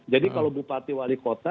jadi kalau bupati wali kota